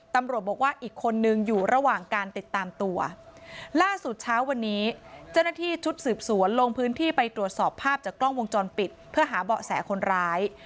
ตำรวจบอกว่าอีกคนนึงอยู่ระหว่างการติดตามตัวล่าสุดเช้าวันนี้เจ้าหน้าที่ชุดสืบสวนลงพื้นที่ไปตรวจสอบภาพจากกล้องวงจรปิดเพื่อหาเบาะแสคนร้าย